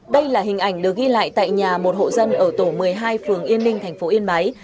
đây là hình ảnh được ghi lại tại nhà một hộ dân ở tổ một mươi hai phường yên ninh thành phố yên bái